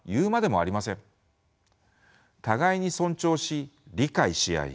互いに尊重し理解し合い